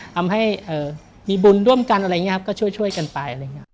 ทำให้มีบุญร่วมกันอะไรอย่างนี้ครับก็ช่วยกันไปอะไรอย่างนี้